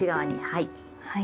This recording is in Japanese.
はい。